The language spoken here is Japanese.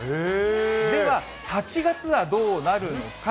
では８月はどうなるのか。